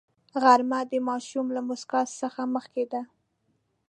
غرمه د ماشوم له موسکا څخه مخکې ده